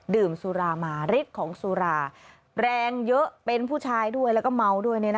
ดื่มสุรามาฤทธิ์ของสุราแรงเยอะเป็นผู้ชายด้วยแล้วก็เมาด้วย